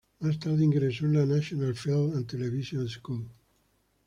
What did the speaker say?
Más tarde ingresó en la National Film and Television School.